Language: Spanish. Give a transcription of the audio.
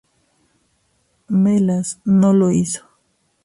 Melas no lo hizo.